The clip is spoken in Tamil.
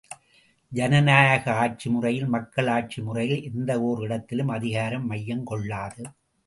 ஜனநாயக ஆட்சி முறையில் மக்களாட்சி முறையில் எந்த ஓர் இடத்திலும் அதிகாரம், மையம் கொள்ளாது.